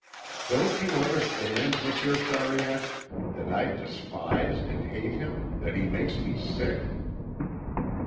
"Don't you understand, Monsieur Sariette, that I despise and hate him, that he makes me sick?"